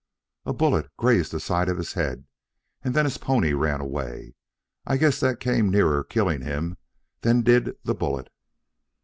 "A bullet grazed the side of his head, and then his pony ran away. I guess that came nearer killing him than did the bullet."